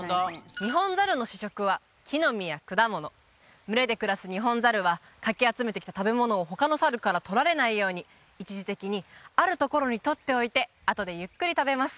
ニホンザルの主食は木の実や果物群れで暮らすニホンザルはかき集めてきた食べ物を他の猿から取られないように一時的にあるところに取っておいてあとでゆっくり食べます